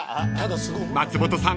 ［松本さん